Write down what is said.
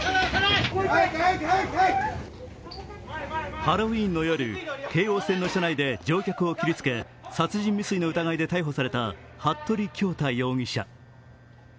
ハロウィーンの夜、京王線の車内で乗客を切りつけ殺人未遂の疑いで逮捕された服部恭太容疑者。